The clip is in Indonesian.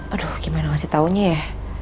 aduh gimana ngasih taunya ya